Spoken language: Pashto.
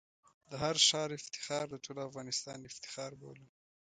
د هر ښار افتخار د ټول افغانستان افتخار بولم.